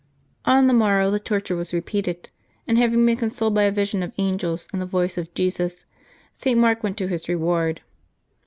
On the morrow the torture was repeated, and having been consoled by a vision of angels and the voice of Jesus, St. Mark went to his re ward.